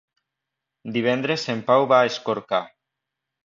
Divendres en Pau va a Escorca.